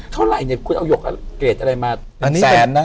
เท่าไหร่เนี่ยคุณเอาหยกเกรดอะไรมาเป็นแสนนะ